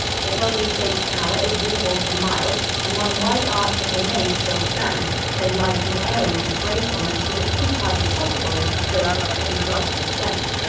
Its oddly shaped tower is visible for miles, and one wide arch of the nave still stands, so light and airy in its gracefulness that it seems hardly possible it is built of heavy blocks of stone.